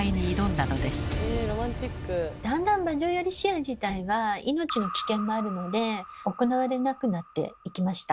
だんだん馬上やり試合自体は命の危険もあるので行われなくなっていきました。